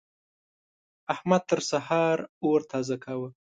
احمد تر سهار اور تازه کاوو.